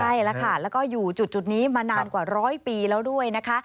ใช่แล้วค่ะแล้วก็อยู่จุดนี้มานานกว่าร้อยปีแล้วด้วยนะคะ